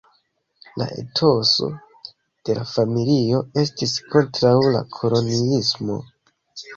La etoso de la familio estis kontraŭ la koloniismo.